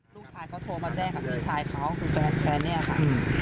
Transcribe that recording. ลูกชายเขาโทรมาแจ้งกับพี่ชายเขาคือแฟนเนี่ยค่ะ